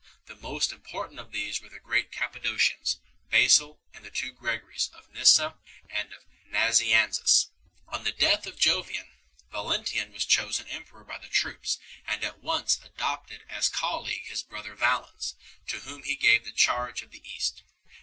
The most important of these were the great Cappadocians, Basil and the two Gregories, of Nyssa and of Nazianzus. On the death of Jovian, Valentin ian was chosen em peror by the troops, and at once adopted as colleague his brother Valens, to whom he gave the charge of the East.